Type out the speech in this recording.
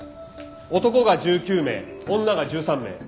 男が１９名女が１３名。